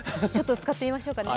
使ってみましょうかね。